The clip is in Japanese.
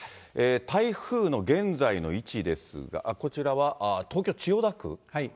台風の現在の位置ですが、こちらは東京・千代田区。